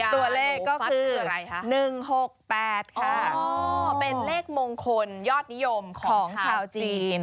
ตัวเลขก็คือ๑๖๘ค่ะเป็นเลขมงคลยอดนิยมของชาวจีน